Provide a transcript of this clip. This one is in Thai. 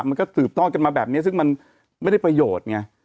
มันก็สืบทอดกันมาแบบนี้ซึ่งมันไม่ได้ประโยชน์ไง